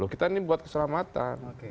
kita ini buat keselamatan